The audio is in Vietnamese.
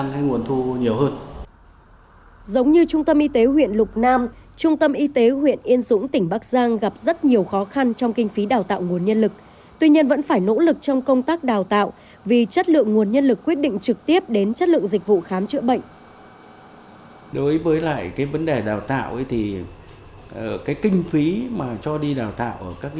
chương tâm y tế huyện lục nam tỉnh bắc giang hiện tại với cơ sở vật chất đang xuống cấp số lượng dường bệnh cho người dân trên địa bàn